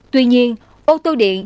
tuy nhiên ô tô điện